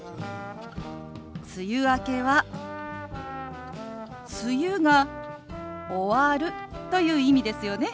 「梅雨明け」は「梅雨が終わる」という意味ですよね？